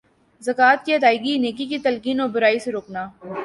زکوۃ کی ادئیگی نیکی کی تلقین اور برائی سے روکنا